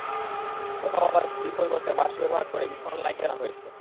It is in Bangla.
কোথাও আবার খুঁটির পরিবর্তে বাঁশ ব্যবহার করে বিতরণ লাইন টানা হয়েছে।